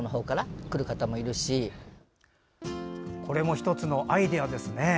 １つのアイデアですね。